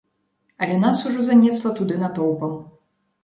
Але нас ужо занесла туды натоўпам.